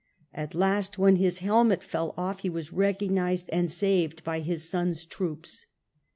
At last, when his helmet fell off, he was recognized and saved by his son's troops.